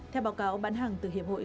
theo báo cáo bán hàng từ hiệp hội